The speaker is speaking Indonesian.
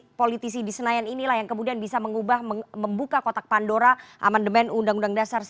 jadi politisi di senayan inilah yang kemudian bisa mengubah membuka kotak pandora amendement uu seribu sembilan ratus empat puluh lima